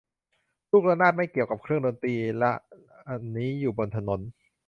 ลูกระนาด ไม่เกี่ยวกับเครื่องดนตรีละ อันนี้อยู่บนถนน